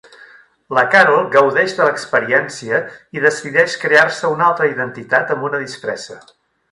La Carol gaudeix de l'experiència i decideix crear-se una altra identitat amb una disfressa.